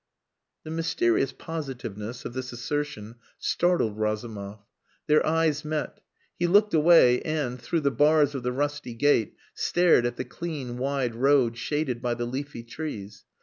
The mysterious positiveness of this assertion startled Razumov. Their eyes met. He looked away and, through the bars of the rusty gate, stared at the clean, wide road shaded by the leafy trees.